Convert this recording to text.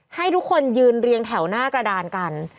ให้ทุกคนยืนเรียงแถวหน้ากระดานกัน